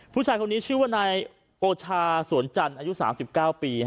ผู้ชายคนนี้ชื่อว่านายโอชาสวนจันทร์อายุ๓๙ปี